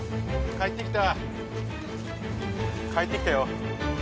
帰ってきた帰ってきたよ